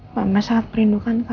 mas cami sekalian rintik mata putra